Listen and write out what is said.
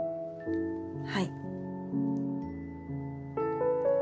はい。